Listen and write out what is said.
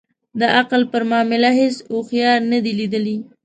د عقل پر معامله هیڅ اوښیار نه دی لېدلی.